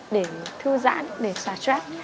để thư giãn để xả stress